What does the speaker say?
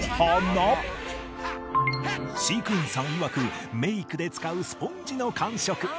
飼育員さんいわくメイクで使うスポンジの感触